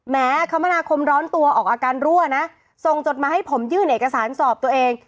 คมนาคมร้อนตัวออกอาการรั่วนะส่งจดมาให้ผมยื่นเอกสารสอบตัวเอง